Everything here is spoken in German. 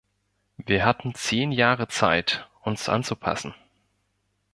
Wir hatten zehn Jahre Zeit, uns anzupassen.